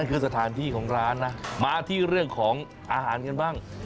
คือสถานที่ของร้านนะมาที่เรื่องของอาหารกันบ้าง